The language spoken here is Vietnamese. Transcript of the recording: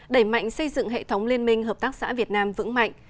đẩy mạnh xây dựng hệ thống liên minh hợp tác xã việt nam vững mạnh